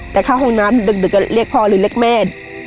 แต่เข้าห้องน้ำดึกเรียกพ่อหรือเรียกแม่